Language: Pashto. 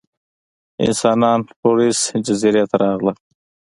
انسانان فلورېس جزیرې ته راغلل.